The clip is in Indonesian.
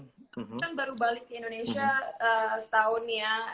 slowly iya karena aku kan baru balik ke indonesia setahun ya